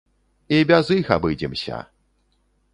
І без іх абыдземся!